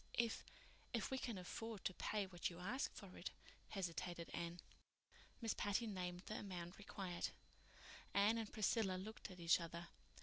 "If—if we can afford to pay what you ask for it," hesitated Anne. Miss Patty named the amount required. Anne and Priscilla looked at each other.